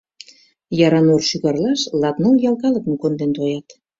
Яранур шӱгарлаш латныл ял калыкым конден тоят.